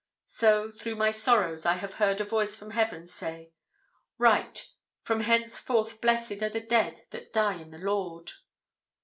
So, through my sorrows, I have heard a voice from heaven say, 'Write, from hencefore blessed are the dead that die in the Lord!'